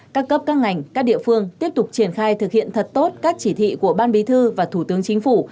các cấp các ngành các địa phương tiếp tục triển khai thực hiện thật tốt các chỉ thị của ban bí thư và thủ tướng chính phủ